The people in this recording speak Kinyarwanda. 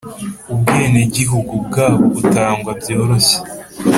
Ubwenegihugu bwabo butangwa byoroshye.